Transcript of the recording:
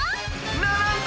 「ならんだ！